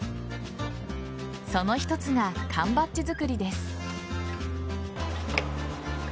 その一つが缶バッジ作りです。